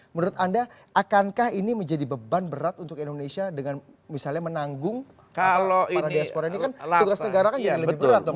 menurut anda akankah ini menjadi beban berat untuk indonesia dengan misalnya menanggung para diaspora ini kan tugas negara itu itu apa sih pak